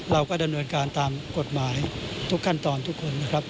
เราก็ดำเนินการตามกฎหมายทุกขั้นตอนทุกคนนะครับ